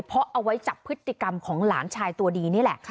เพราะเอาไว้จับพฤติกรรมของหลานชายตัวดีนี่แหละ